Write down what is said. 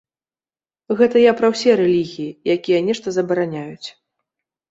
Гэта я пра ўсе рэлігіі, якія нешта забараняюць.